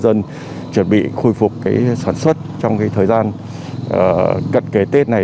cho nhân dân chuẩn bị khôi phục sản xuất trong thời gian gần kể tết này